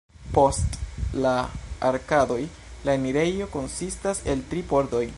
Post la arkadoj la enirejo konsistas el tri pordoj.